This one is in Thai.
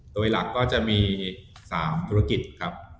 โดยหลักก็จะมี๓ธุรกิจครับ